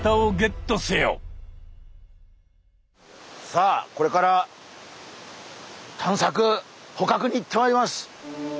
さあこれから探索捕獲に行ってまいります。